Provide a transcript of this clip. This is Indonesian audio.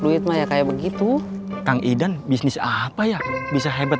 duit maya kayak begitu kang idan bisnis apa ya bisa hebat